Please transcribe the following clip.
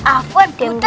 apa dia minta